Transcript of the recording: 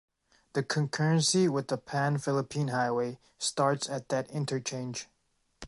The concurrency with the Pan-Philippine Highway starts at that interchange.